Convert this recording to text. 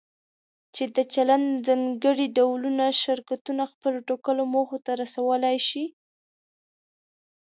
چې د چلند ځانګړي ډولونه شرکتونه خپلو ټاکلو موخو ته رسولی شي.